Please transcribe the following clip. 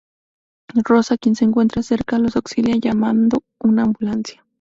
Rosa, quien se encuentra cerca, los auxilia, llamando una ambulancia.